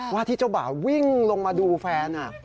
ว่าที่เจ้าบ่าวิ่งลงมาดูแฟน